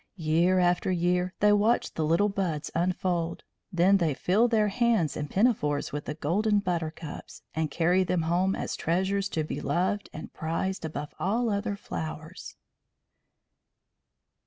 Year after year they watch the little buds unfold; then they fill their hands and pinafores with the golden buttercups, and carry them home as treasures to be loved and prized above all other flowers.